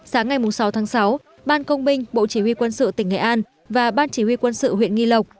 sáng ngày sáu tháng sáu ban công binh bộ chỉ huy quân sự tỉnh nghệ an và ban chỉ huy quân sự huyện nghi lộc